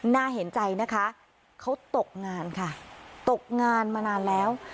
น่าเห็นใจนะคะเขาตกงานค่ะตกงานมานานแล้ว